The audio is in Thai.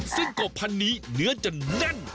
ซึ่งกบพันนี้เนื้อจะแน่น